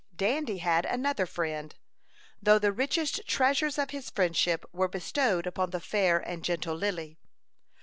Dandy had another friend, though the richest treasures of his friendship were bestowed upon the fair and gentle Lily.